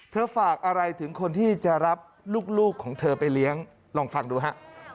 ฝากอะไรถึงคนที่จะรับลูกของเธอไปเลี้ยงลองฟังดูฮะ